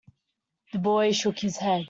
The boy shook his head.